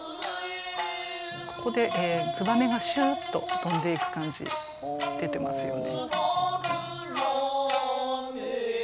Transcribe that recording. ここでつばめがシュッと飛んでいく感じ出てますよね。